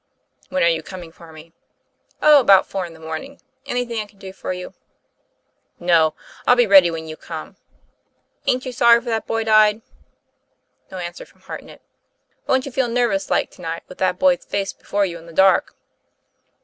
'When are you coming for me?" ' Oh, about four in the morning. Anything I can do for you ?" "No; I'll be ready when you come." "Ain't you sorry that boy died?" No answer from Hartnett. 'Won't you feel nervous like to night, with that boy's face before you in the dark?"